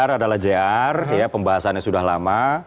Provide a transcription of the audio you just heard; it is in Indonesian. dpr adalah jr pembahasannya sudah lama